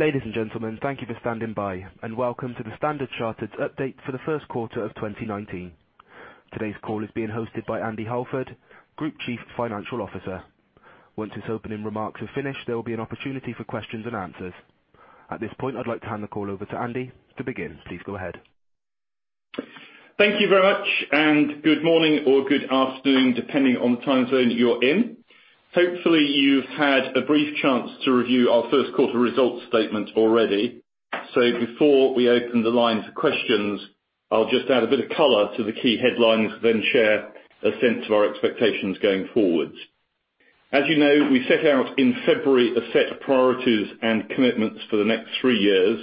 Ladies and gentlemen, thank you for standing by, and welcome to the Standard Chartered's update for the first quarter of 2019. Today's call is being hosted by Andy Halford, Group Chief Financial Officer. Once his opening remarks are finished, there will be an opportunity for questions and answers. At this point, I'd like to hand the call over to Andy to begin. Please go ahead. Thank you very much. Good morning or good afternoon, depending on the time zone you're in. Hopefully, you've had a brief chance to review our first quarter results statement already. Before we open the line to questions, I'll just add a bit of color to the key headlines, then share a sense of our expectations going forward. As you know, we set out in February a set of priorities and commitments for the next three years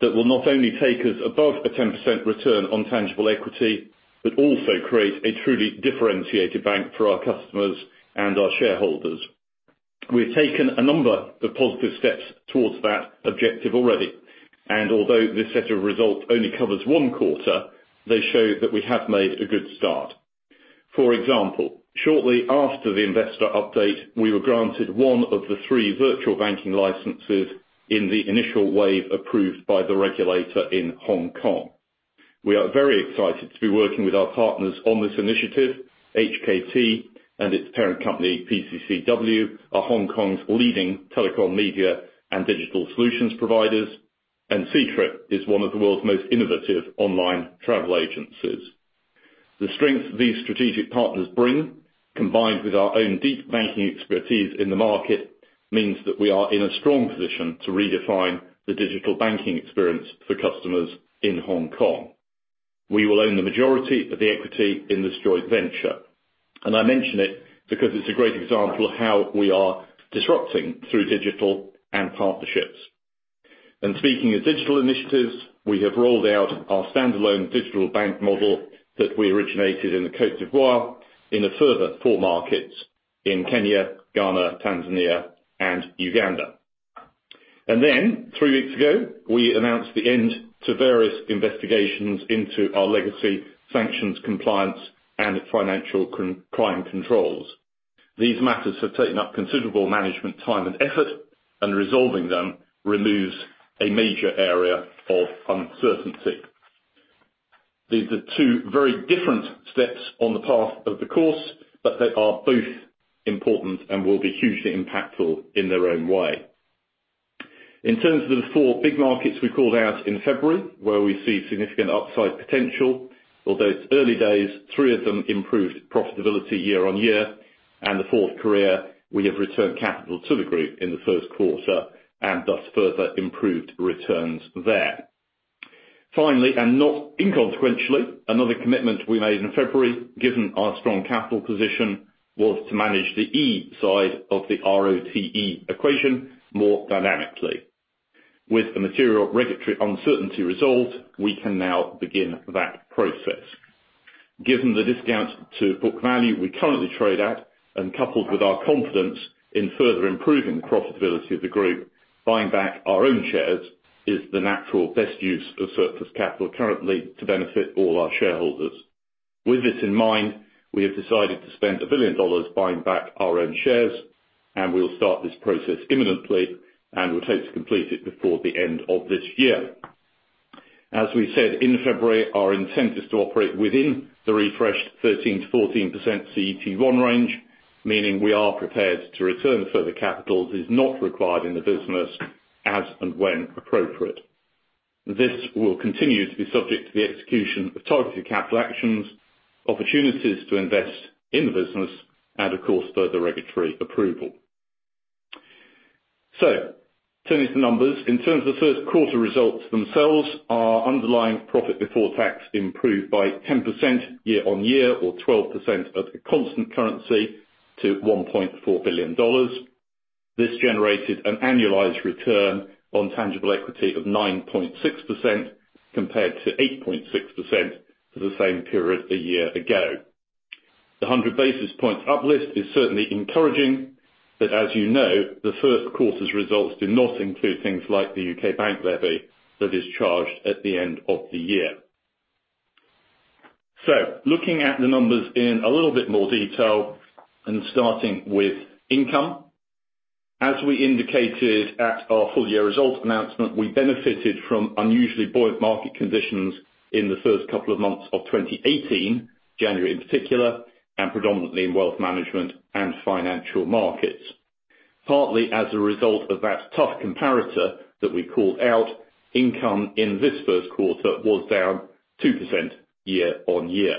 that will not only take us above a 10% return on tangible equity, but also create a truly differentiated bank for our customers and our shareholders. We've taken a number of positive steps towards that objective already, and although this set of results only covers one quarter, they show that we have made a good start. For example, shortly after the investor update, we were granted one of the three virtual banking licenses in the initial wave approved by the regulator in Hong Kong. We are very excited to be working with our partners on this initiative. HKT and its parent company, PCCW, are Hong Kong's leading telecom, media, and digital solutions providers, and Ctrip is one of the world's most innovative online travel agencies. The strength these strategic partners bring, combined with our own deep banking expertise in the market, means that we are in a strong position to redefine the digital banking experience for customers in Hong Kong. We will own the majority of the equity in this joint venture. I mention it because it's a great example of how we are disrupting through digital and partnerships. Speaking of digital initiatives, we have rolled out our standalone digital bank model that we originated in the Côte d'Ivoire in a further four markets in Kenya, Ghana, Tanzania, and Uganda. Three weeks ago, we announced the end to various investigations into our legacy sanctions compliance and financial crime controls. These matters have taken up considerable management time and effort, and resolving them removes a major area of uncertainty. These are two very different steps on the path of the course, they are both important and will be hugely impactful in their own way. In terms of the four big markets we called out in February, where we see significant upside potential, although it's early days, three of them improved profitability year-on-year, and the fourth, Korea, we have returned capital to the group in the first quarter and thus further improved returns there. Finally, not inconsequentially, another commitment we made in February, given our strong capital position, was to manage the E side of the RoTE equation more dynamically. With the material regulatory uncertainty resolved, we can now begin that process. Given the discount to book value we currently trade at and coupled with our confidence in further improving the profitability of the group, buying back our own shares is the natural best use of surplus capital currently to benefit all our shareholders. With this in mind, we have decided to spend $1 billion buying back our own shares, and we will start this process imminently and would hope to complete it before the end of this year. As we said in February, our intention is to operate within the refreshed 13%-14% CET1 range, meaning we are prepared to return further capital that is not required in the business as and when appropriate. This will continue to be subject to the execution of targeted capital actions, opportunities to invest in the business, and of course, further regulatory approval. Turning to the numbers. In terms of first quarter results themselves, our underlying profit before tax improved by 10% year-on-year or 12% at a constant currency to $1.4 billion. This generated an annualized return on tangible equity of 9.6%, compared to 8.6% for the same period a year ago. The 100 basis points uplift is certainly encouraging, but as you know, the first quarter's results did not include things like the UK bank levy that is charged at the end of the year. Looking at the numbers in a little bit more detail and starting with income. As we indicated at our full-year result announcement, we benefited from unusually buoyant market conditions in the first couple of months of 2018, January in particular, and predominantly in wealth management and financial markets. Partly as a result of that tough comparator that we called out, income in this first quarter was down 2% year-on-year.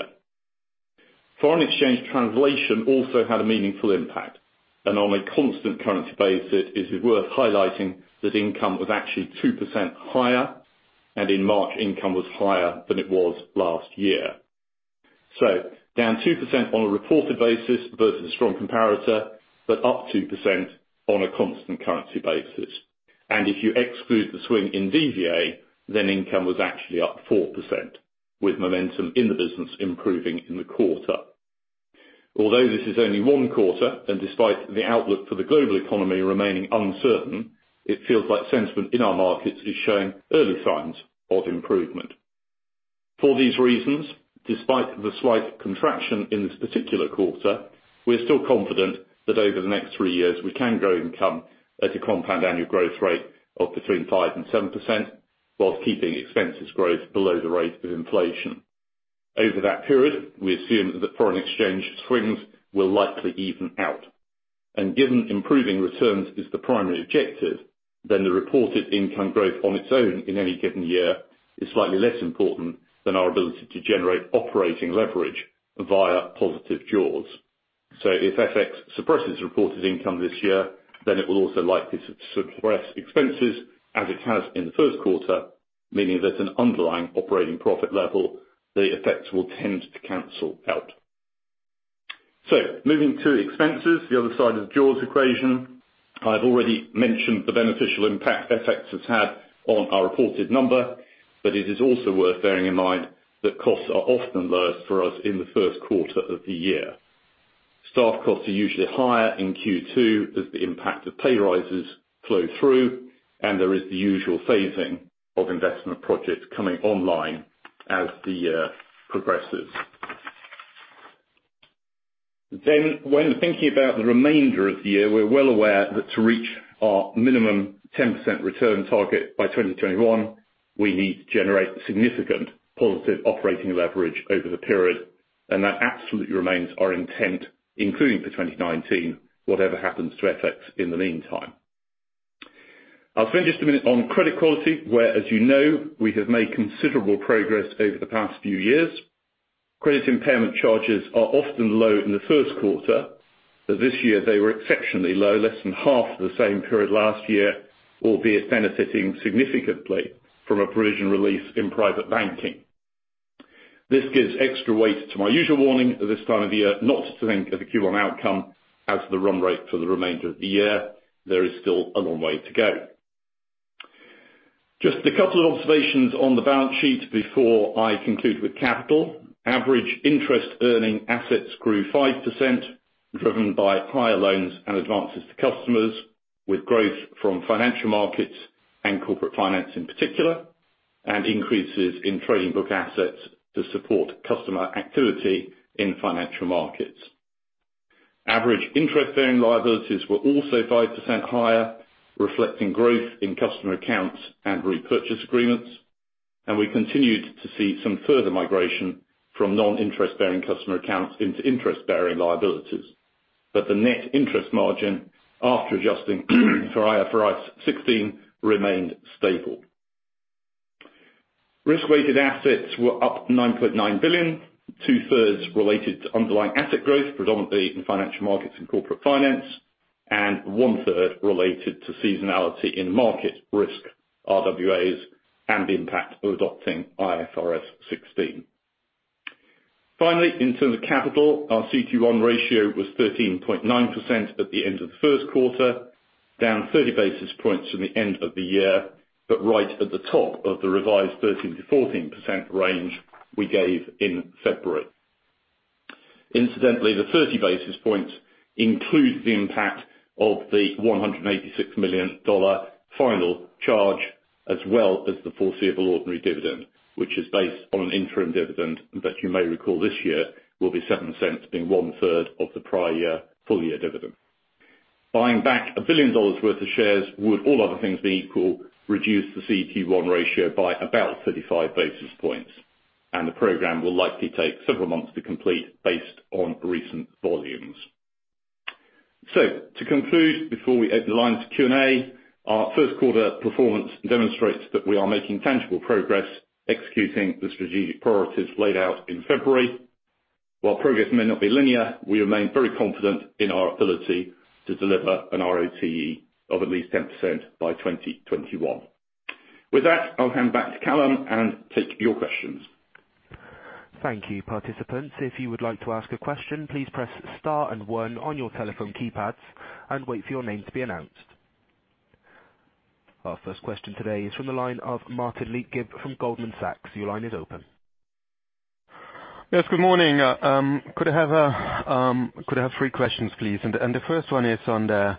Foreign exchange translation also had a meaningful impact. On a constant currency basis, it is worth highlighting that income was actually 2% higher, and in March, income was higher than it was last year. Down 2% on a reported basis versus a strong comparator, but up 2% on a constant currency basis. If you exclude the swing in DVA, then income was actually up 4%, with momentum in the business improving in the quarter. Although this is only one quarter, and despite the outlook for the global economy remaining uncertain, it feels like sentiment in our markets is showing early signs of improvement. For these reasons, despite the slight contraction in this particular quarter, we're still confident that over the next three years we can grow income at a compound annual growth rate of between 5% and 7%, whilst keeping expenses growth below the rate of inflation. Over that period, we assume that the foreign exchange swings will likely even out. Given improving returns is the primary objective, then the reported income growth on its own in any given year is slightly less important than our ability to generate operating leverage via positive jaws. If FX suppresses reported income this year, it will also likely suppress expenses as it has in the first quarter, meaning that at an underlying operating profit level, the effects will tend to cancel out. Moving to expenses, the other side of the jaws equation. I have already mentioned the beneficial impact FX has had on our reported number, but it is also worth bearing in mind that costs are often lowest for us in the first quarter of the year. Staff costs are usually higher in Q2 as the impact of pay rises flow through, and there is the usual phasing of investment projects coming online as the year progresses. When thinking about the remainder of the year, we're well aware that to reach our minimum 10% return target by 2021, we need to generate significant positive operating leverage over the period, and that absolutely remains our intent, including for 2019, whatever happens to FX in the meantime. I'll spend just a minute on credit quality, where, as you know, we have made considerable progress over the past few years. Credit impairment charges are often low in the first quarter, but this year they were exceptionally low, less than half the same period last year, albeit benefiting significantly from a provision release in private banking. This gives extra weight to my usual warning at this time of year not to think of the Q1 outcome as the run rate for the remainder of the year. There is still a long way to go. Just a couple of observations on the balance sheet before I conclude with capital. Average interest earning assets grew 5%, driven by higher loans and advances to customers, with growth from financial markets and corporate finance in particular, and increases in trading book assets to support customer activity in financial markets. Average interest-bearing liabilities were also 5% higher, reflecting growth in customer accounts and repurchase agreements, and we continued to see some further migration from non-interest-bearing customer accounts into interest-bearing liabilities. The net interest margin, after adjusting for IFRS 16, remained stable. Risk-weighted assets were up $9.9 billion, two-thirds related to underlying asset growth, predominantly in financial markets and corporate finance, and one-third related to seasonality in market risk RWAs and the impact of adopting IFRS 16. In terms of capital, our CET1 ratio was 13.9% at the end of the first quarter, down 30 basis points from the end of the year, but right at the top of the revised 13%-14% range we gave in February. Incidentally, the 30 basis points includes the impact of the $186 million final charge, as well as the foreseeable ordinary dividend, which is based on an interim dividend that you may recall this year will be $0.07, being one-third of the prior year full-year dividend. Buying back $1 billion worth of shares would all other things being equal, reduce the CET1 ratio by about 35 basis points, and the program will likely take several months to complete based on recent volumes. To conclude, before we open the line to Q&A, our first quarter performance demonstrates that we are making tangible progress executing the strategic priorities laid out in February. While progress may not be linear, we remain very confident in our ability to deliver an ROAE of at least 10% by 2021. With that, I'll hand back to Callum and take your questions. Thank you, participants. If you would like to ask a question, please press star and one on your telephone keypads and wait for your name to be announced. Our first question today is from the line of Martin Leitgeb from Goldman Sachs. Your line is open. Yes. Good morning. Could I have three questions, please? The first one is on the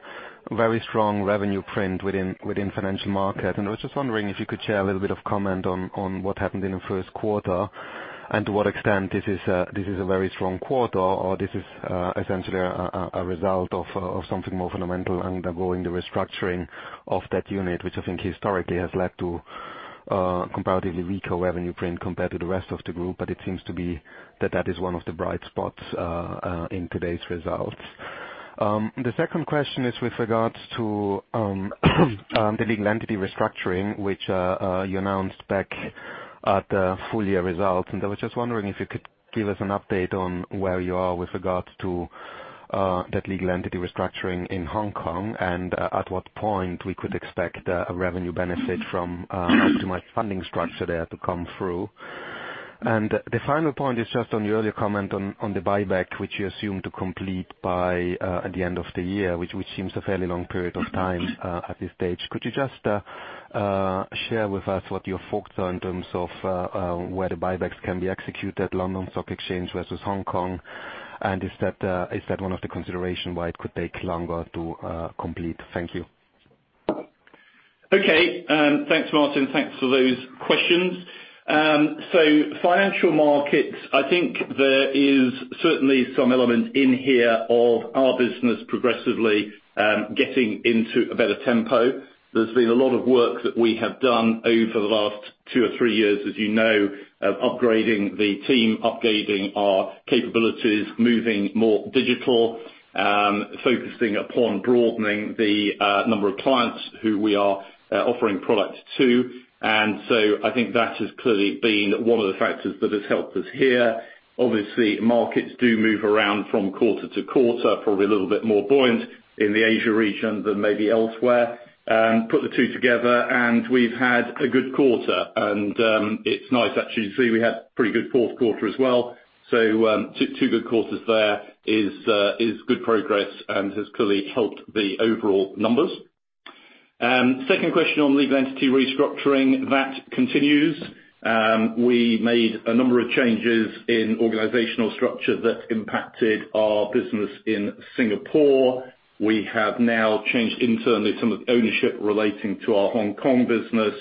very strong revenue print within financial market. I was just wondering if you could share a little bit of comment on what happened in the first quarter and to what extent this is a very strong quarter or this is essentially a result of something more fundamental undergoing the restructuring of that unit, which I think historically has led to comparatively weaker revenue print compared to the rest of the group. It seems to be that that is one of the bright spots in today's results. The second question is with regards to the legal entity restructuring, which you announced back at the full year results. I was just wondering if you could give us an update on where you are with regards to that legal entity restructuring in Hong Kong and at what point we could expect a revenue benefit from optimized funding structure there to come through. The final point is just on your earlier comment on the buyback, which you assume to complete by the end of the year, which seems a fairly long period of time at this stage. Could you just share with us what your thoughts are in terms of where the buybacks can be executed, London Stock Exchange versus Hong Kong? Is that one of the consideration why it could take longer to complete? Thank you. Okay. Thanks, Martin. Thanks for those questions. Financial markets, I think there is certainly some element in here of our business progressively getting into a better tempo. There's been a lot of work that we have done over the last two or three years, as you know, of upgrading the team, upgrading our capabilities, moving more digital, focusing upon broadening the number of clients who we are offering products to. I think that has clearly been one of the factors that has helped us here. Obviously, markets do move around from quarter to quarter, probably a little bit more buoyant in the Asia region than maybe elsewhere. Put the two together and we've had a good quarter and it's nice actually to see we had pretty good fourth quarter as well. Two good quarters there is good progress and has clearly helped the overall numbers. Second question on legal entity restructuring, that continues. We made a number of changes in organizational structure that impacted our business in Singapore. We have now changed internally some of the ownership relating to our Hong Kong business,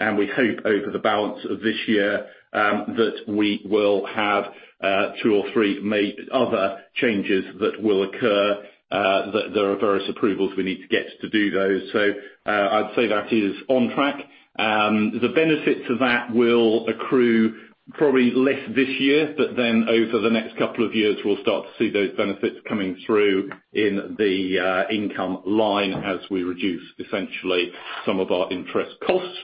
and we hope over the balance of this year, that we will have two or three other changes that will occur. There are various approvals we need to get to do those. I'd say that is on track. The benefits of that will accrue probably less this year, over the next couple of years, we'll start to see those benefits coming through in the income line as we reduce essentially some of our interest costs.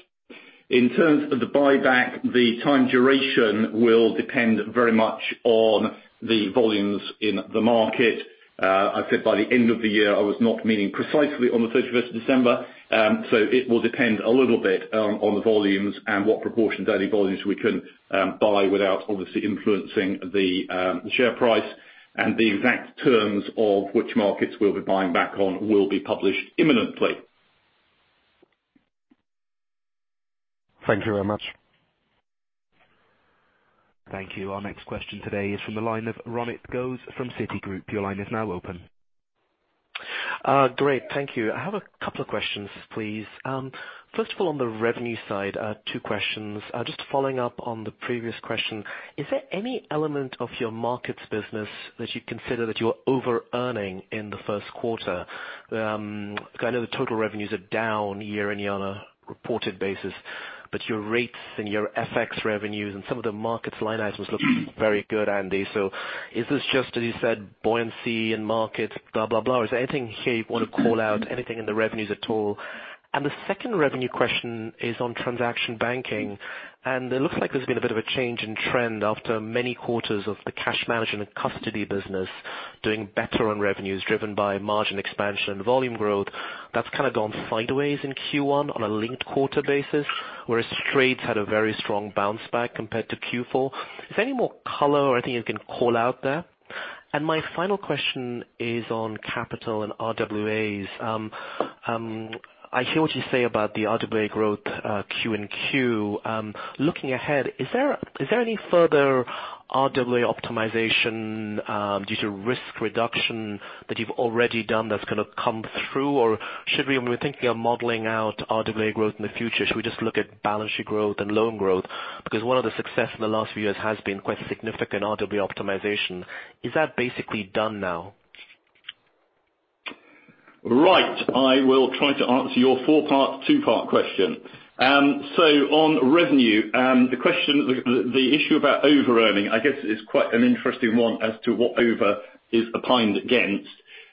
In terms of the buyback, the time duration will depend very much on the volumes in the market. I said by the end of the year, I was not meaning precisely on the 31st of December. It will depend a little bit on the volumes and what proportion of daily volumes we can buy without obviously influencing the share price. The exact terms of which markets we'll be buying back on will be published imminently. Thank you very much. Thank you. Our next question today is from the line of Ronit Ghose from Citigroup. Your line is now open. Great. Thank you. I have a couple of questions, please. First of all, on the revenue side, two questions. Just following up on the previous question, is there any element of your markets business that you consider that you're overearning in the first quarter? I know the total revenues are down year-on-year on a reported basis, but your rates and your FX revenues and some of the markets line items look very good, Andy. Is this just, as you said, buoyancy in markets, blah, blah? Is there anything here you want to call out? Anything in the revenues at all? The second revenue question is on transaction banking, and it looks like there's been a bit of a change in trend after many quarters of the cash management and custody business doing better on revenues driven by margin expansion and volume growth. That's kind of gone sideways in Q1 on a linked quarter basis, whereas trades had a very strong bounce back compared to Q4. Is there any more color or anything you can call out there? My final question is on capital and RWAs. I hear what you say about the RWA growth Q and Q. Looking ahead, is there any further RWA optimization due to risk reduction that you've already done that's going to come through? Or should we, when we're thinking of modeling out RWA growth in the future, should we just look at balance sheet growth and loan growth? Because one of the success in the last few years has been quite significant RWA optimization. Is that basically done now? Right. I will try to answer your four-part, two-part question. On revenue, the issue about overearning, I guess, is quite an interesting one as to what over is opined against.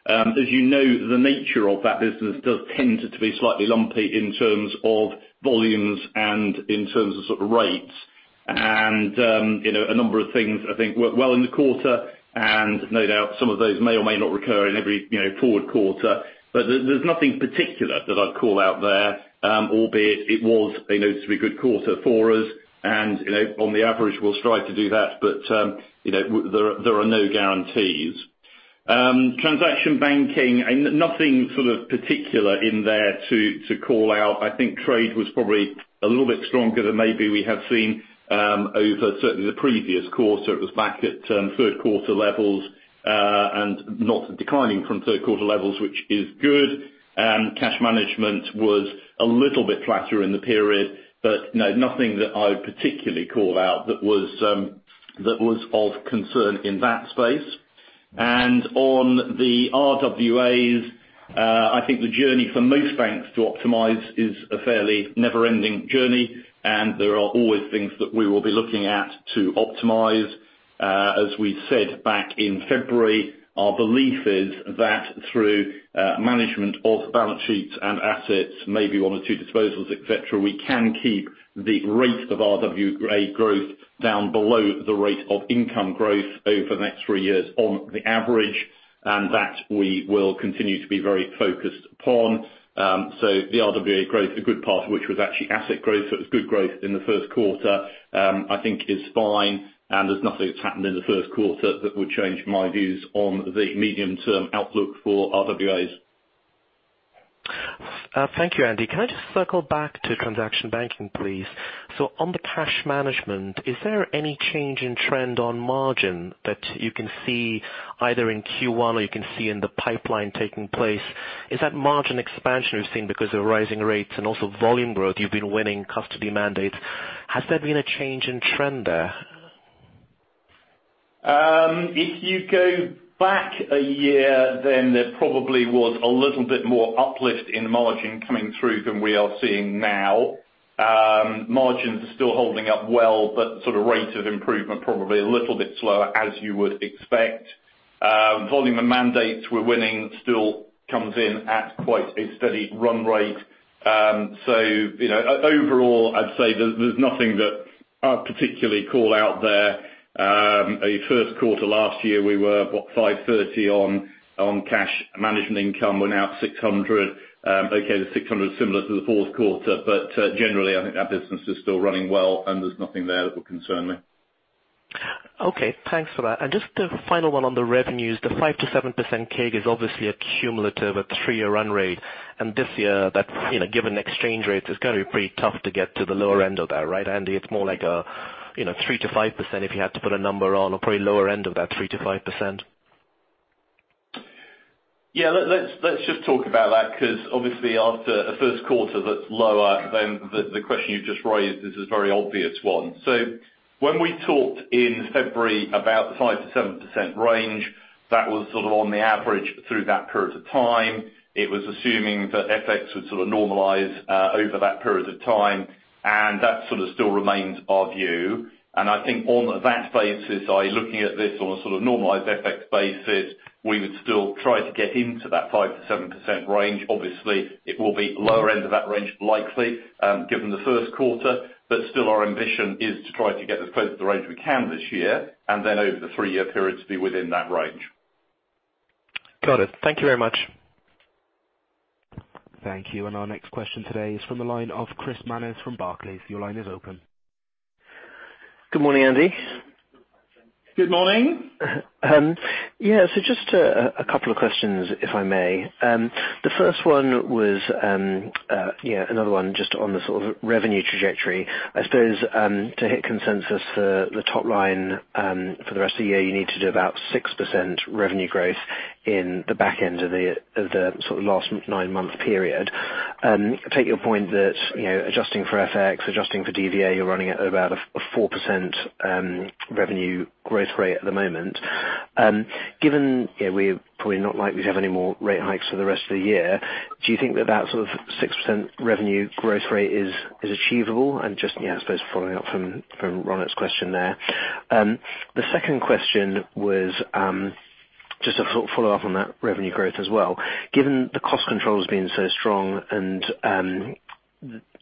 As you know, the nature of that business does tend to be slightly lumpy in terms of volumes and in terms of rates. A number of things I think went well in the quarter, and no doubt, some of those may or may not recur in every forward quarter. There's nothing particular that I'd call out there, albeit it was a noticeably good quarter for us, and on the average, we'll strive to do that. There are no guarantees. Transaction banking, nothing sort of particular in there to call out. I think trade was probably a little bit stronger than maybe we have seen, over certainly the previous quarter. It was back at third quarter levels, not declining from third quarter levels, which is good. Cash management was a little bit flatter in the period, but no, nothing that I would particularly call out that was of concern in that space. On the RWAs, I think the journey for most banks to optimize is a fairly never-ending journey, and there are always things that we will be looking at to optimize. As we said back in February, our belief is that through management of balance sheets and assets, maybe one or two disposals, et cetera, we can keep the rate of RWA growth down below the rate of income growth over the next three years on the average, and that we will continue to be very focused upon. The RWA growth, a good part of which was actually asset growth, it was good growth in the first quarter, I think is fine, and there's nothing that's happened in the first quarter that would change my views on the medium-term outlook for RWAs. Thank you, Andy. Can I just circle back to transaction banking, please? On the cash management, is there any change in trend on margin that you can see either in Q1 or you can see in the pipeline taking place? Is that margin expansion we've seen because of rising rates and also volume growth, you've been winning custody mandates, has there been a change in trend there? If you go back a year, then there probably was a little bit more uplift in margin coming through than we are seeing now. Margins are still holding up well, Rate of improvement probably a little bit slower, as you would expect. Volume of mandates we're winning still comes in at quite a steady run rate. Overall, I'd say there's nothing that I'd particularly call out there. A first quarter last year, we were, what, $530 on cash management income. We're now at $600. Okay, the $600 is similar to the fourth quarter, Generally, I think that business is still running well, and there's nothing there that would concern me. Okay, thanks for that. Just a final one on the revenues. The 5%-7% CAGR is obviously a cumulative, a three-year run rate. This year, given exchange rates, it's got to be pretty tough to get to the lower end of that, right, Andy? It's more like a 3%-5%, if you had to put a number on, or probably lower end of that 3%-5%? Yeah. Let's just talk about that, because obviously after a first quarter that's lower, the question you just raised is this very obvious one. When we talked in February about the 5%-7% range, that was sort of on the average through that period of time. It was assuming that FX would normalize over that period of time, and that still remains our view. I think on that basis, i.e., looking at this on a sort of normalized FX basis, we would still try to get into that 5%-7% range. Obviously, it will be lower end of that range, likely, given the first quarter. Still our ambition is to try to get as close to the range we can this year, and then over the three-year period, to be within that range. Got it. Thank you very much. Thank you. Our next question today is from the line of Chris Manners from Barclays. Your line is open. Good morning, Andy. Good morning. Yeah. Just a couple of questions, if I may. The first one was another one just on the sort of revenue trajectory. I suppose, to hit consensus for the top line for the rest of the year, you need to do about 6% revenue growth in the back end of the last nine-month period. I take your point that adjusting for FX, adjusting for DVA, you're running at about a 4% revenue growth rate at the moment. Given we're probably not likely to have any more rate hikes for the rest of the year, do you think that that sort of 6% revenue growth rate is achievable? Just, I suppose following up from Ronit's question there, the second question was just a follow-up on that revenue growth as well. Given the cost controls being so strong and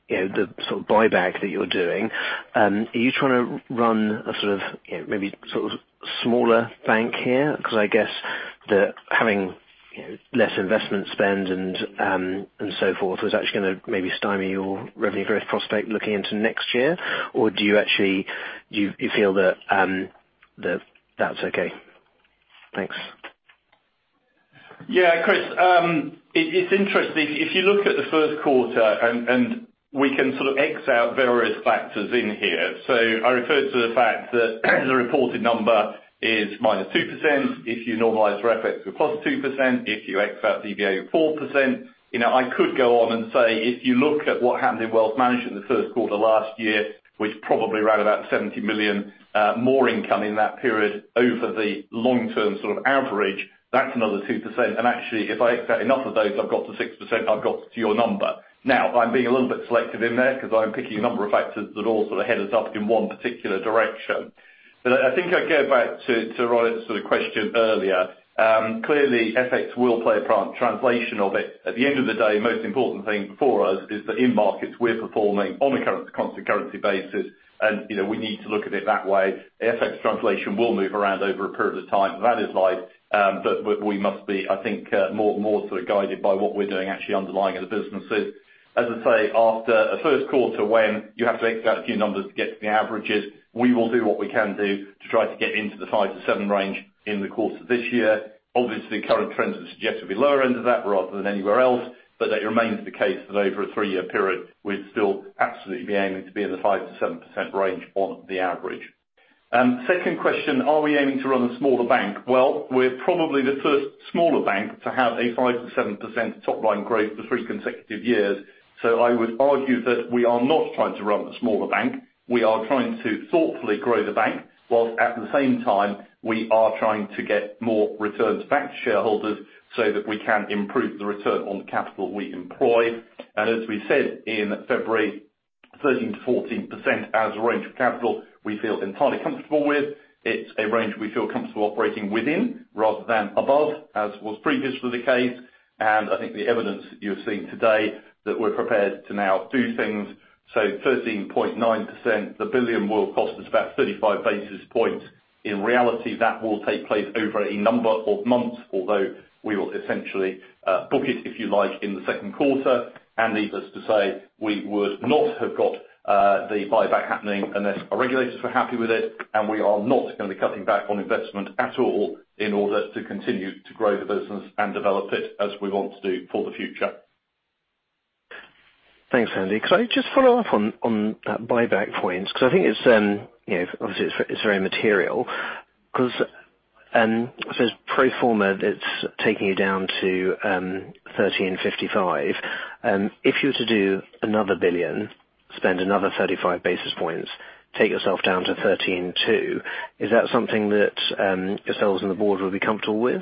the buyback that you're doing, are you trying to run a maybe smaller bank here? I guess that having less investment spend and so forth was actually going to maybe stymie your revenue growth prospect looking into next year. Do you actually feel that that's okay? Thanks. Yeah, Chris. It's interesting. If you look at the first quarter, we can sort of X out various factors in here. I referred to the fact that the reported number is -2%. If you normalize for FX, we're +2%. If you X out DVA, you're 4%. I could go on and say, if you look at what happened in wealth management in the first quarter last year, we're probably around about $70 million more income in that period over the long term average. That's another 2%. Actually, if I X out enough of those, I've got to 6%, I've got to your number. I'm being a little bit selective in there because I'm picking a number of factors that all sort of head us up in one particular direction. I think I go back to Ronit's question earlier. Clearly, FX will play a translation of it. At the end of the day, most important thing for us is that in markets we're performing on a constant currency basis, and we need to look at it that way. FX translation will move around over a period of time. That is life. We must be, I think, more sort of guided by what we're doing actually underlying in the businesses. As I say, after a first quarter, when you have to X out a few numbers to get to the averages, we will do what we can do to try to get into the 5%-7% range in the course of this year. Obviously, current trends would suggest it'd be lower end of that rather than anywhere else. It remains the case that over a three-year period, we'd still absolutely be aiming to be in the 5%-7% range on the average. Second question, are we aiming to run a smaller bank? Well, we're probably the first smaller bank to have a 5%-7% top line growth for three consecutive years. I would argue that we are not trying to run a smaller bank. We are trying to thoughtfully grow the bank, whilst at the same time we are trying to get more returns back to shareholders so that we can improve the return on capital we employ. As we said in February, 13%-14% as a range of capital we feel entirely comfortable with. It's a range we feel comfortable operating within rather than above, as was previously the case. I think the evidence you're seeing today that we're prepared to now do things. 13.9%, the billion will cost us about 35 basis points. In reality, that will take place over a number of months, although we will essentially book it, if you like, in the second quarter. Needless to say, we would not have got the buyback happening unless our regulators were happy with it, and we are not going to be cutting back on investment at all in order to continue to grow the business and develop it as we want to do for the future. Thanks, Andy. Could I just follow up on that buyback point? I think obviously it's very material. Pro forma, it's taking you down to 13.55. If you were to do another $1 billion, spend another 35 basis points, take yourself down to 13.2, is that something that yourselves and the board would be comfortable with?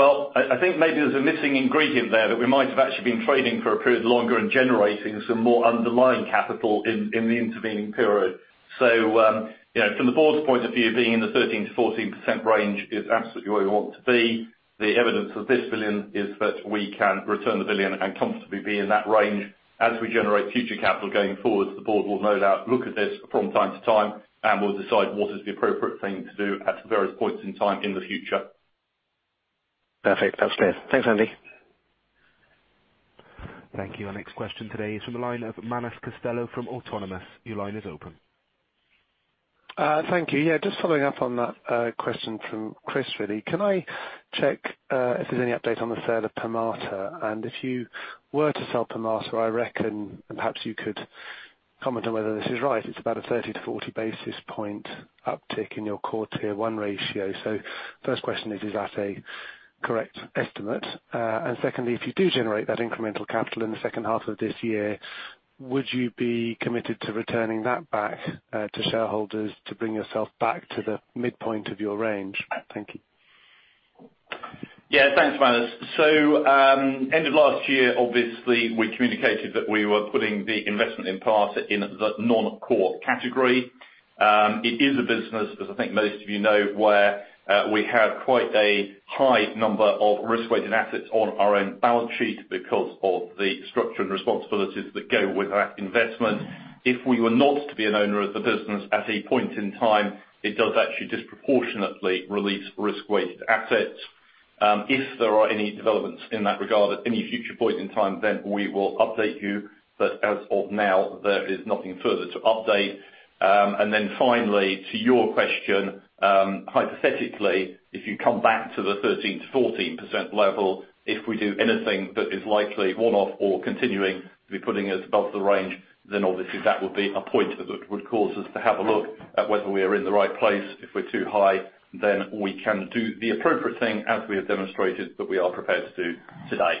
I think maybe there's a missing ingredient there that we might have actually been trading for a period longer and generating some more underlying capital in the intervening period. From the board's point of view, being in the 13%-14% range is absolutely where we want to be. The evidence of this $1 billion is that we can return the $1 billion and comfortably be in that range. As we generate future capital going forward, the board will no doubt look at this from time to time and will decide what is the appropriate thing to do at various points in time in the future. Perfect. That's clear. Thanks, Andy. Thank you. Our next question today is from the line of Manus Costello from Autonomous. Your line is open. Thank you. Just following up on that question from Chris, really. Can I check if there's any update on the sale of Permata? If you were to sell Permata, I reckon perhaps you could comment on whether this is right. It's about a 30 to 40 basis point uptick in your Core Tier 1 ratio. First question is that a correct estimate? Secondly, if you do generate that incremental capital in the second half of this year, would you be committed to returning that back to shareholders to bring yourself back to the midpoint of your range? Thank you. Yeah, thanks, Manus. End of last year, obviously, we communicated that we were putting the investment in Permata in the non-core category. It is a business, as I think most of you know, where we have quite a high number of risk-weighted assets on our own balance sheet because of the structure and responsibilities that go with that investment. If we were not to be an owner of the business at a point in time, it does actually disproportionately release risk-weighted assets. If there are any developments in that regard at any future point in time, then we will update you. As of now, there is nothing further to update. Finally, to your question, hypothetically, if you come back to the 13% to 14% level, if we do anything that is likely one-off or continuing to be putting us above the range, then obviously that would be a point that would cause us to have a look at whether we are in the right place. If we're too high, then we can do the appropriate thing as we have demonstrated that we are prepared to do today.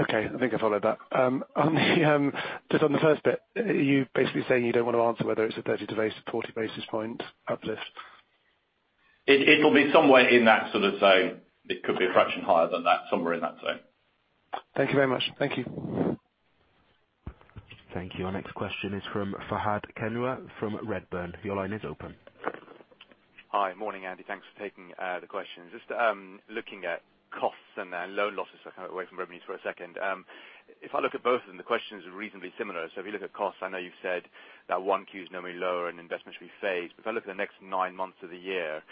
Okay. I think I followed that. Just on the first bit, are you basically saying you don't want to answer whether it's a 30 to 40 basis point uplift? It will be somewhere in that sort of zone. It could be a fraction higher than that, somewhere in that zone. Thank you very much. Thank you. Thank you. Our next question is from Fahed Kunwar from Redburn. Your line is open. Just looking at costs and loan losses, kind of away from revenues for a second. If I look at both of them, the question is reasonably similar. If you look at costs, I know you've said that one Q is normally lower and investments should be phased. If I look at the next nine months of the year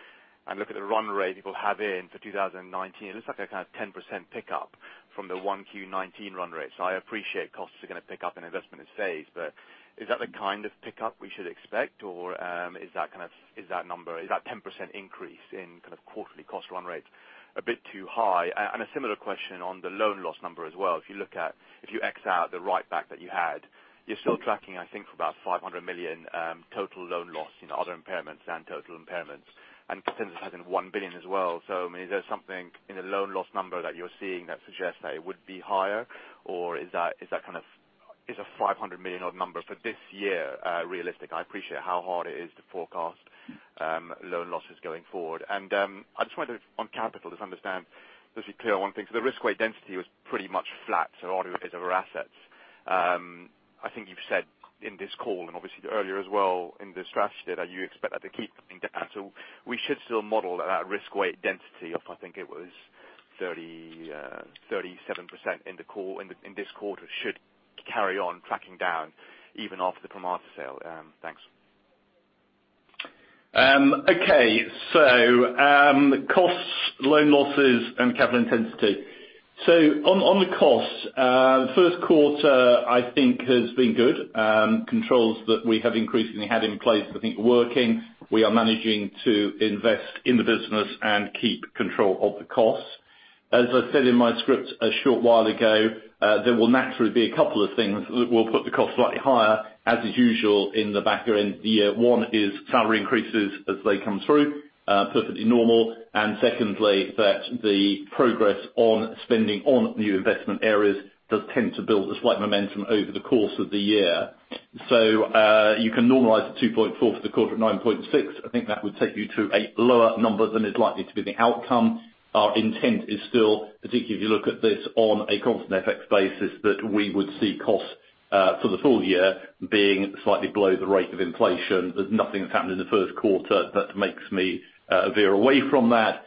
and look at the run rate people have in for 2019, it looks like a kind of 10% pickup from the one Q 2019 run rate. I appreciate costs are going to pick up and investment is phased, but is that the kind of pickup we should expect? Is that 10% increase in kind of quarterly cost run rate a bit too high? A similar question on the loan loss number as well. If you X out the write-back that you had, you're still tracking, I think, for about $500 million total loan loss in other impairments and total impairments, and contingency has in $1 billion as well. Is there something in the loan loss number that you're seeing that suggests that it would be higher? Or is a $500 million odd number for this year realistic? I appreciate how hard it is to forecast loan losses going forward. I just wonder on capital, just understand, just be clear on one thing. The risk weight density was pretty much flat, so RWA is over assets. I think you've said in this call and obviously earlier as well in the strategy day that you expect that to keep coming down. We should still model that risk weight density of I think it was 37% in this quarter should carry on tracking down even after the Permata sale. Thanks. Okay. Costs, loan losses, and capital intensity. On the costs, first quarter, I think has been good. Controls that we have increasingly had in place I think are working. We are managing to invest in the business and keep control of the costs. As I said in my script a short while ago, there will naturally be a couple of things that will put the cost slightly higher, as is usual in the back end of the year. One is salary increases as they come through, perfectly normal. Secondly, that the progress on spending on new investment areas does tend to build a slight momentum over the course of the year. You can normalize the 2.4 for the quarter at 9.6. I think that would take you to a lower number than is likely to be the outcome. Our intent is still, particularly if you look at this on a constant FX basis, that we would see costs for the full year being slightly below the rate of inflation. There's nothing that's happened in the first quarter that makes me veer away from that.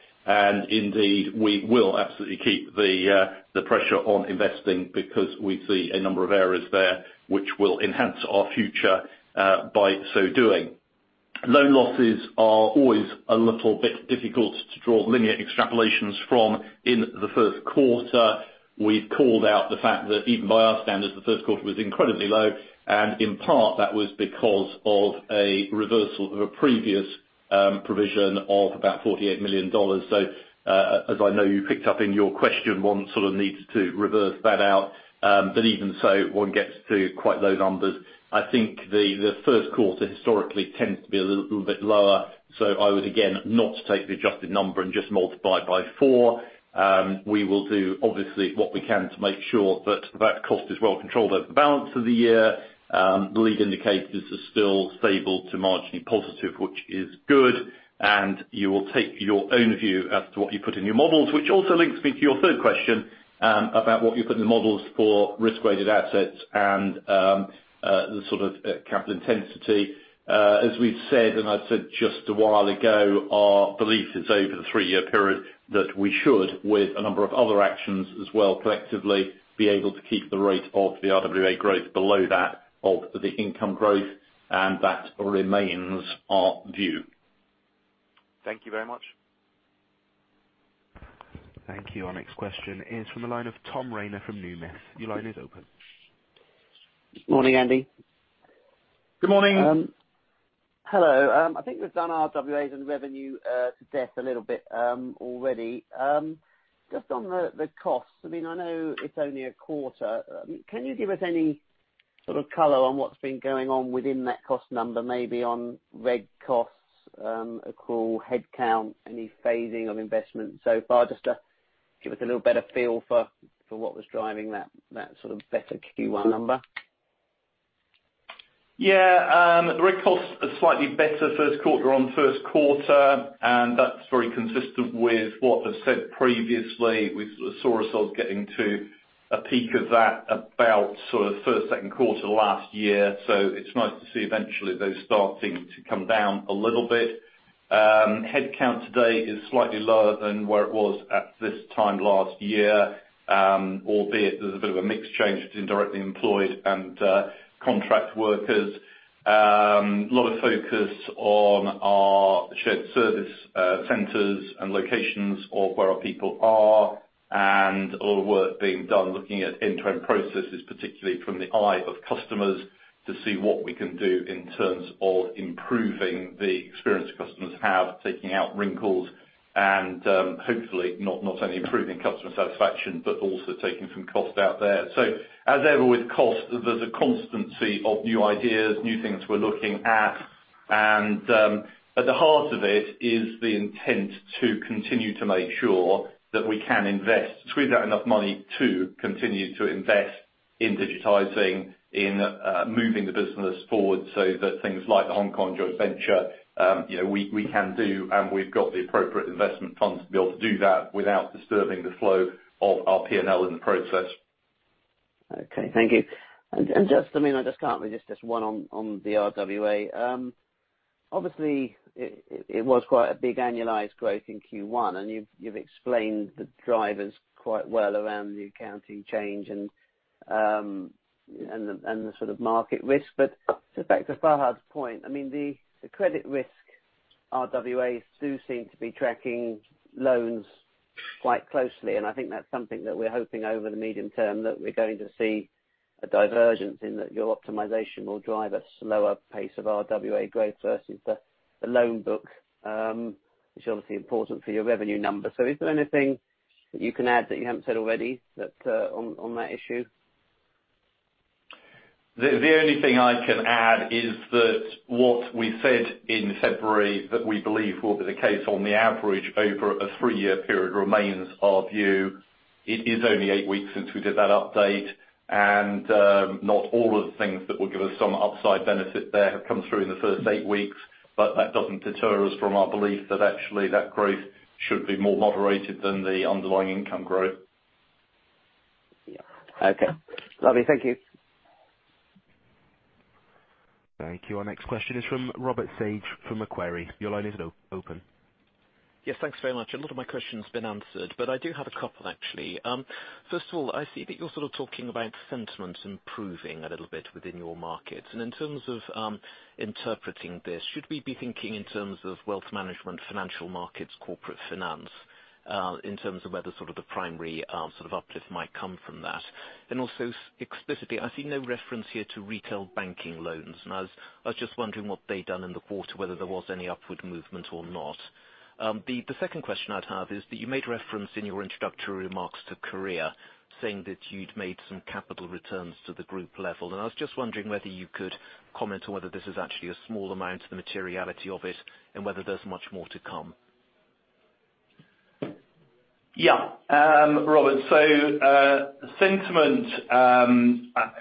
Indeed, we will absolutely keep the pressure on investing because we see a number of areas there which will enhance our future by so doing. Loan losses are always a little bit difficult to draw linear extrapolations from. In the first quarter, we've called out the fact that even by our standards, the first quarter was incredibly low, and in part that was because of a reversal of a previous provision of about $48 million. As I know you picked up in your question, one sort of needs to reverse that out. Even so, one gets to quite low numbers. I think the first quarter historically tends to be a little bit lower. I would, again, not take the adjusted number and just multiply it by four. We will do obviously what we can to make sure that that cost is well controlled over the balance of the year. The lead indicators are still stable to marginally positive, which is good. You will take your own view as to what you put in your models, which also links me to your third question about what you put in the models for risk-weighted assets and the sort of capital intensity. As we've said, I said just a while ago, our belief is over the three-year period, that we should, with a number of other actions as well collectively, be able to keep the rate of the RWA growth below that of the income growth. That remains our view. Thank you very much. Thank you. Our next question is from the line of Tom Rayner from Numis. Your line is open. Morning, Andy. Good morning. Hello. I think we've done RWAs and revenue to death a little bit already. Just on the costs. I know it's only a quarter. Can you give us any sort of color on what's been going on within that cost number, maybe on reg costs, accrual, headcount, any phasing of investment so far? Just to give us a little better feel for what was driving that sort of better Q1 number. Yeah. The reg costs are slightly better first quarter on first quarter, and that's very consistent with what was said previously. We saw ourselves getting to a peak of that about sort of first, second quarter last year. It's nice to see eventually those starting to come down a little bit. Headcount today is slightly lower than where it was at this time last year, albeit there's a bit of a mix change between directly employed and contract workers. A lot of focus on our shared service centers and locations of where our people are, and a lot of work being done looking at end-to-end processes, particularly from the eye of customers, to see what we can do in terms of improving the experience customers have, taking out wrinkles, and hopefully not only improving customer satisfaction, but also taking some cost out there. As ever with cost, there's a constancy of new ideas, new things we're looking at. At the heart of it is the intent to continue to make sure that we can invest, squeeze out enough money to continue to invest in digitizing, in moving the business forward so that things like the Hong Kong joint venture we can do, and we've got the appropriate investment funds to be able to do that without disturbing the flow of our P&L in the process. Okay. Thank you. Just, I mean, I just can't resist this one on the RWA. Obviously, it was quite a big annualized growth in Q1, and you've explained the drivers quite well around the accounting change and the sort of market risk. But back to Fahed's point, I mean, the credit risk RWAs do seem to be tracking loans quite closely, and I think that's something that we're hoping over the medium term that we're going to see a divergence in that your optimization will drive a slower pace of RWA growth versus the loan book, which is obviously important for your revenue number. Is there anything that you can add that you haven't said already on that issue? The only thing I can add is that what we said in February that we believe will be the case on the average over a three-year period remains our view. It is only eight weeks since we did that update, and not all of the things that will give us some upside benefit there have come through in the first eight weeks. That doesn't deter us from our belief that actually, that growth should be more moderated than the underlying income growth. Yeah. Okay. Lovely. Thank you. Thank you. Our next question is from Robert Sage from Macquarie. Your line is open. Yes, thanks very much. A lot of my question's been answered, but I do have a couple actually. First of all, I see that you're sort of talking about sentiment improving a little bit within your markets. In terms of interpreting this, should we be thinking in terms of wealth management, financial markets, corporate finance, in terms of whether sort of the primary uplift might come from that? Also explicitly, I see no reference here to retail banking loans, and I was just wondering what they'd done in the quarter, whether there was any upward movement or not. The second question I'd have is that you made reference in your introductory remarks to Korea saying that you'd made some capital returns to the group level, and I was just wondering whether you could comment on whether this is actually a small amount, the materiality of it, and whether there's much more to come. Yeah. Robert, sentiment,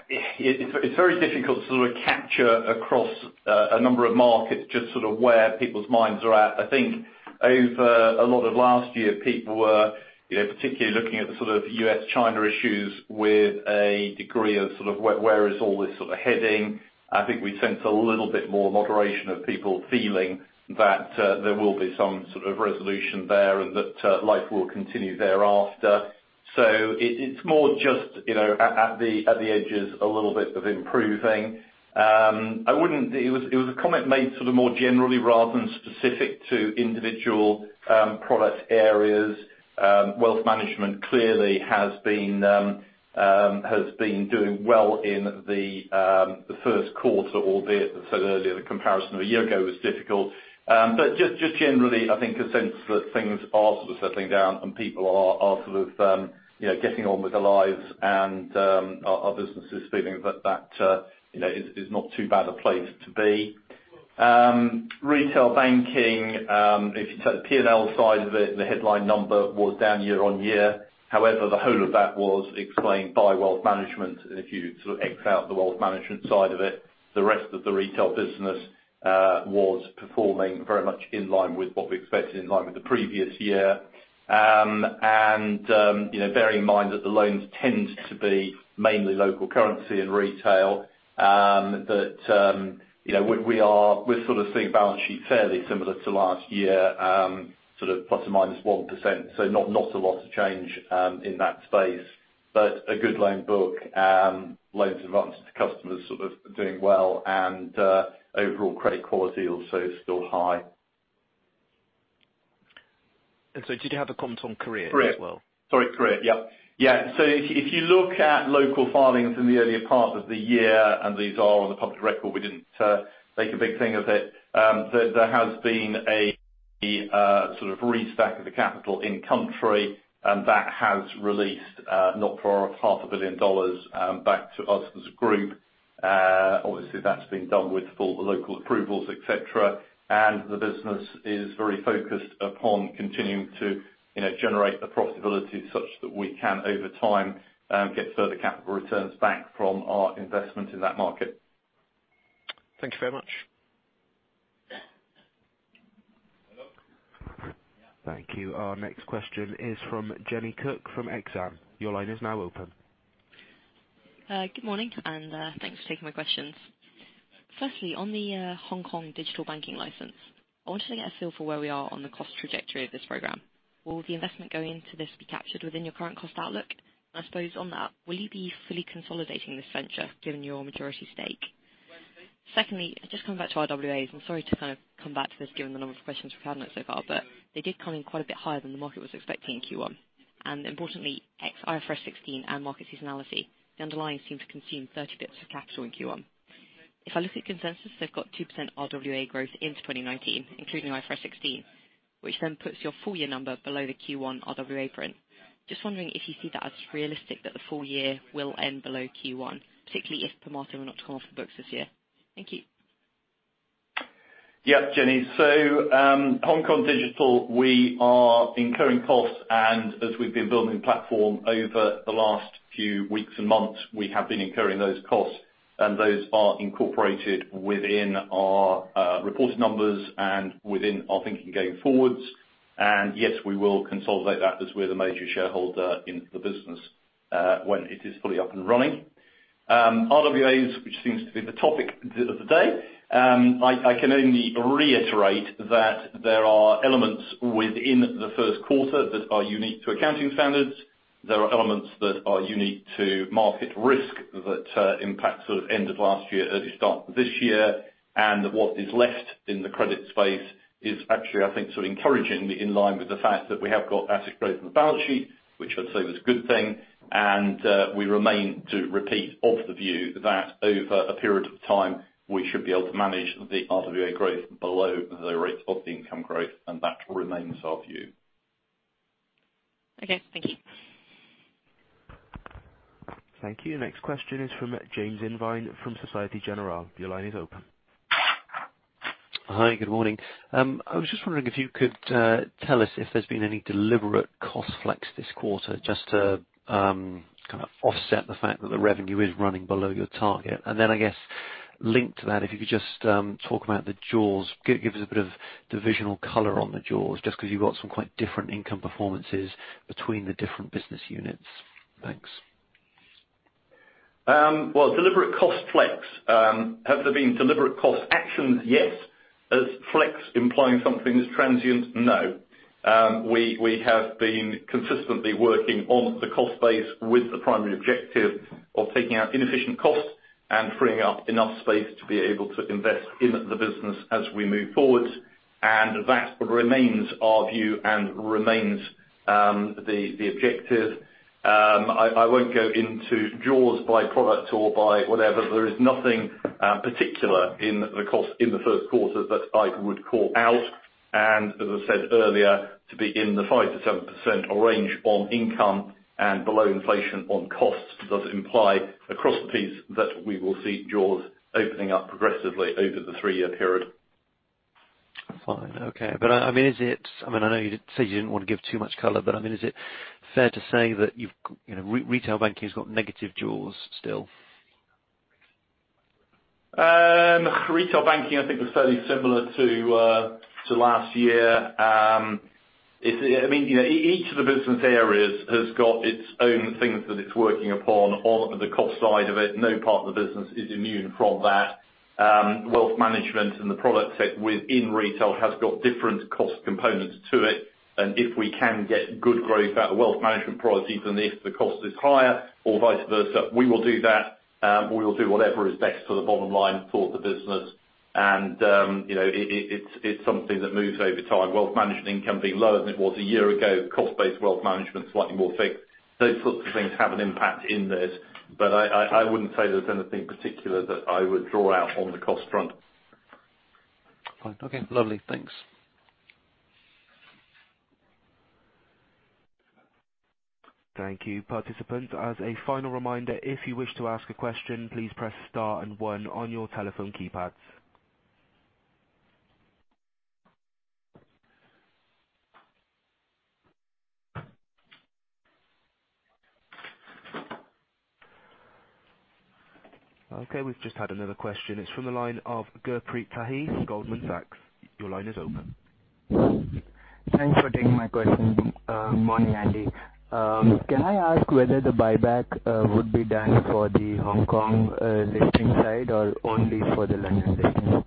it's very difficult to sort of capture across a number of markets just sort of where people's minds are at. I think over a lot of last year, people were particularly looking at the sort of US-China issues with a degree of sort of where is all this heading. I think we sense a little bit more moderation of people feeling that there will be some sort of resolution there and that life will continue thereafter. It's more just at the edges, a little bit of improving. It was a comment made sort of more generally rather than specific to individual product areas. Wealth management clearly has been doing well in the first quarter, albeit I said earlier the comparison of a year ago was difficult. Just generally, I think a sense that things are sort of settling down and people are sort of getting on with their lives and our business is feeling that is not too bad a place to be. Retail banking, if you take the P&L side of it, the headline number was down year-over-year. However, the whole of that was explained by wealth management. If you sort of X out the wealth management side of it, the rest of the retail business was performing very much in line with what we expected, in line with the previous year. Bearing in mind that the loans tend to be mainly local currency and retail, that we're sort of seeing a balance sheet fairly similar to last year, sort of ±1%. Not a lot of change in that space. A good loan book, loans advances to customers sort of doing well and overall credit quality also still high. Did you have a comment on Korea as well? Sorry, Korea. Yep. Yeah. If you look at local filings in the earlier part of the year, and these are on the public record, we didn't make a big thing of it. There has been a sort of restack of the capital in country, and that has released knock for half a billion dollars back to us as a group. Obviously, that's been done with all the local approvals, et cetera. The business is very focused upon continuing to generate the profitability such that we can, over time, get further capital returns back from our investment in that market. Thank you very much. Hello? Yeah. Thank you. Our next question is from Jennifer Cook at Exane. Your line is now open. Good morning. Thanks for taking my questions. Firstly, on the Hong Kong virtual banking license, I wanted to get a feel for where we are on the cost trajectory of this program. Will the investment going into this be captured within your current cost outlook? I suppose on that, will you be fully consolidating this venture given your majority stake? Secondly, just coming back to RWAs, and sorry to kind of come back to this, given the number of questions we've had on it so far. They did come in quite a bit higher than the market was expecting in Q1. Importantly, ex IFRS 16 and market seasonality, the underlying seemed to consume 30 basis points of capital in Q1. If I look at consensus, they've got 2% RWA growth into 2019, including IFRS 16, which puts your full year number below the Q1 RWA print. Just wondering if you see that as realistic that the full year will end below Q1, particularly if Permata were not to come off the books this year. Thank you. Jenny. Hong Kong Digital, we are incurring costs, as we've been building the platform over the last few weeks and months, we have been incurring those costs. Those are incorporated within our reported numbers and within our thinking going forwards. Yes, we will consolidate that as we're the major shareholder in the business, when it is fully up and running. RWAs, which seems to be the topic of the day. I can only reiterate that there are elements within the first quarter that are unique to accounting standards. There are elements that are unique to market risk that impact sort of end of last year, early start this year. What is left in the credit space is actually, I think, sort of encouragingly in line with the fact that we have got asset growth on the balance sheet, which I'd say was a good thing. We remain to repeat of the view that over a period of time, we should be able to manage the RWA growth below the rates of the income growth, and that remains our view. Okay, thank you. Thank you. Next question is from James Irvine from Societe Generale. Your line is open. Hi, good morning. I was just wondering if you could tell us if there's been any deliberate cost flex this quarter, just to kind of offset the fact that the revenue is running below your target. I guess linked to that, if you could just talk about the jaws. Give us a bit of divisional color on the jaws, just because you've got some quite different income performances between the different business units. Thanks. Well, deliberate cost flex. Have there been deliberate cost actions? Yes. As flex implying something is transient? No. We have been consistently working on the cost base with the primary objective of taking out inefficient costs and freeing up enough space to be able to invest in the business as we move forward. That remains our view and remains the objective. I won't go into jaws by product or by whatever. There is nothing particular in the cost in the first quarter that I would call out. As I said earlier, to be in the 5%-7% range on income and below inflation on costs, does imply across the piece that we will see jaws opening up progressively over the three-year period. Fine. Okay. Is it, I know you said you didn't want to give too much color, but is it fair to say that retail banking has got negative jaws still? Retail banking I think was fairly similar to last year. Each of the business areas has got its own things that it's working upon on the cost side of it. No part of the business is immune from that. Wealth management and the product set within retail has got different cost components to it. If we can get good growth out of wealth management products, even if the cost is higher or vice versa, we will do that. We will do whatever is best for the bottom line for the business. It's something that moves over time. Wealth management income being lower than it was a year ago. Cost base wealth management is slightly more sticky. Those sorts of things have an impact in this, but I wouldn't say there's anything particular that I would draw out on the cost front. Fine. Okay, lovely. Thanks. Thank you, participant. As a final reminder, if you wish to ask a question, please press star and one on your telephone keypads. We've just had another question. It's from the line of Gurpreet Sahi from Goldman Sachs. Your line is open. Thanks for taking my question. Morning, Andy. Can I ask whether the buyback would be done for the Hong Kong listing side or only for the London listing?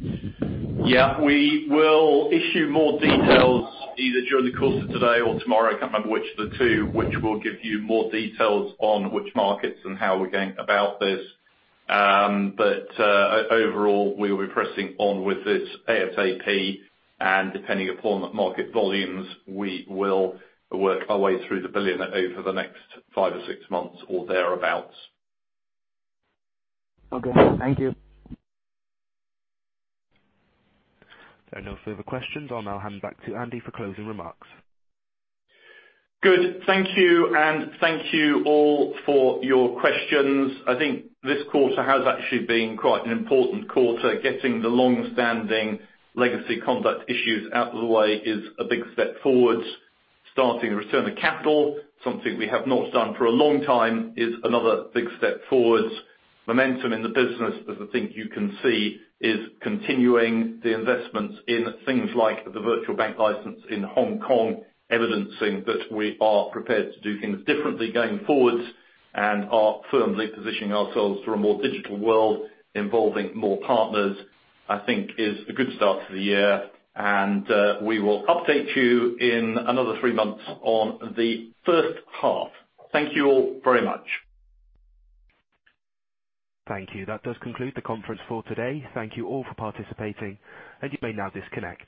Yeah. We will issue more details either during the course of today or tomorrow, I can't remember which of the two, which will give you more details on which markets and how we're going about this. Overall, we will be pressing on with this ASAP, and depending upon the market volumes, we will work our way through the $1 billion over the next five or six months or thereabout. Okay. Thank you. There are no further questions. I'll now hand back to Andy for closing remarks. Good. Thank you, and thank you all for your questions. I think this quarter has actually been quite an important quarter. Getting the longstanding legacy conduct issues out of the way is a big step forward. Starting the return of capital, something we have not done for a long time, is another big step forward. Momentum in the business, as I think you can see, is continuing the investments in things like the virtual bank license in Hong Kong, evidencing that we are prepared to do things differently going forwards and are firmly positioning ourselves for a more digital world involving more partners. I think is a good start to the year. We will update you in another three months on the first half. Thank you all very much. Thank you. That does conclude the conference for today. Thank you all for participating. You may now disconnect.